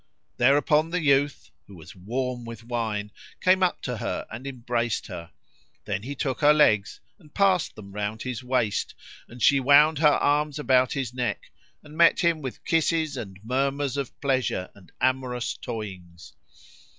Thereupon the youth, who was warm with wine, came up to her and embraced her; then he took her legs and passed them round his waist and she wound her arms about his neck, and met him with kisses and murmurs of pleasure and amorous toyings.